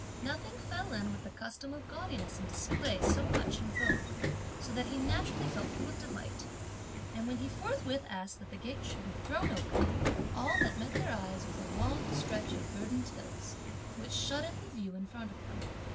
Nothing fell in with the custom of gaudiness and display so much in vogue, so that he naturally felt full of delight; and, when he forthwith asked that the gate should be thrown open, all that met their eyes was a long stretch of verdant hills, which shut in the view in front of them.